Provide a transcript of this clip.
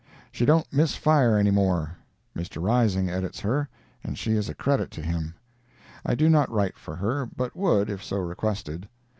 She don't miss fire any more. Mr. Rising edits her, and she is a credit to him. I do not write for her, but would, if so requested.